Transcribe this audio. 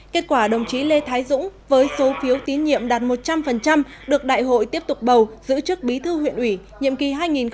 kết quả đồng chí lê thái dũng với số phiếu tín nhiệm đạt một trăm linh được đại hội tiếp tục bầu giữ chức bí thư huyện ủy nhiệm kỳ hai nghìn hai mươi hai nghìn hai mươi năm